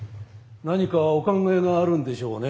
何かお考えがあるんでしょうね